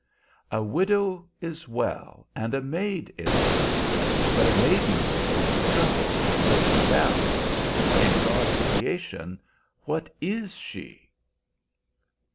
A widow is well, and a maid is well; but a maiden widow who trembles and looks down in God's creation, what is she?